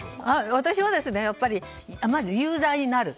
私はまず有罪になる。